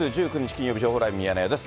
金曜日、情報ライブミヤネ屋です。